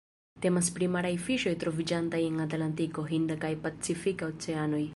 Temas pri maraj fiŝoj troviĝantaj en Atlantiko, Hinda kaj Pacifika Oceanoj.